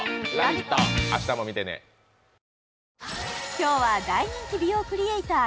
今日は大人気美容クリエイター